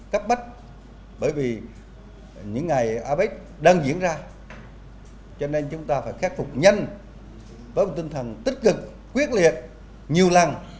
cấp bách bởi vì những ngày apec đang diễn ra cho nên chúng ta phải khắc phục nhanh với một tinh thần tích cực quyết liệt nhiều lần